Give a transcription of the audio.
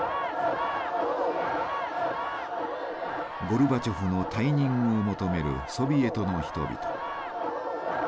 ゴルバチョフの退任を求めるソビエトの人々。